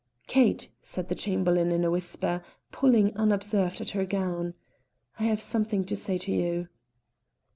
"Kate," said the Chamberlain in a whisper, pulling unobserved at her gown, "I have something to say to you."